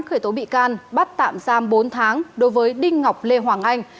khởi tố bị can bắt tạm giam bốn tháng đối với đinh ngọc lê hoàng anh